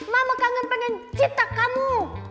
mama kangen pengen cipta kamu